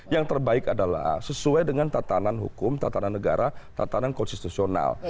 yang terbaik adalah sesuai dengan tatanan hukum tatanan negara tatanan konstitusional